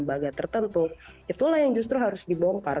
lembaga tertentu itulah yang justru harus dibongkar